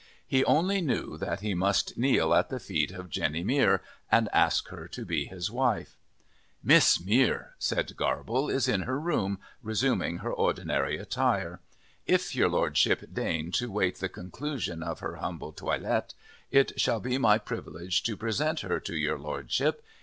He only knew that he must kneel at the feet of Jenny Mere and ask her to be his wife. "Miss Mere," said Garble, "is in her room, resuming her ordinary attire. If your Lordship deign to await the conclusion of her humble toilet, it shall be my privilege to present her to your Lordship.